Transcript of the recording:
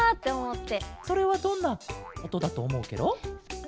それはどんなおとだとおもうケロ？